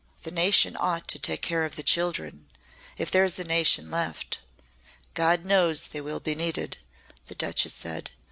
The nation ought to take care of the children. If there is a nation left, God knows they will be needed," the Duchess said.